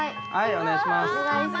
お願いします。